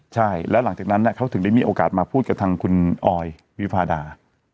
ใช่แล้วหลังจากนั้นเขาถึงได้มีโอกาสมาพูดกับทางคุณออยวิพาดา